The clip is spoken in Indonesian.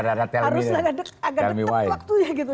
harus agak dekat waktunya gitu